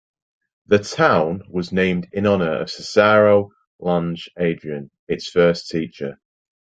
The town was named in honor of Cesario Lange Adrien, its first teacher.